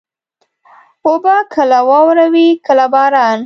اوبه کله واوره وي، کله باران.